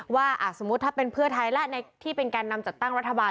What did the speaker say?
ว่าสมมุติถ้าเป็นเพื่อไทยและที่เป็นแก่นำจัดตั้งรัฐบาล